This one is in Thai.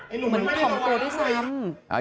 เหมือนของตัวที่ซ้ำ